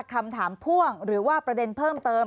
พ่วงหรือว่าประเด็นเพิ่มเติม